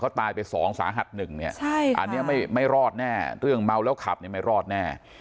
ตายไปสองสาหัสหนึ่งเนี่ยอันนี้ไม่รอดแน่เรื่องเมาแล้วขับเนี่ยไม่รอดแน่